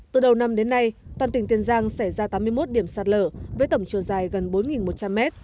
từ đầu năm đến nay toàn tỉnh tiền giang sẽ ra tám mươi một điểm sạt lở với tổng chiều dài gần bốn một trăm linh m